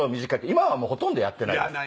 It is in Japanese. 今はほとんどやってないです。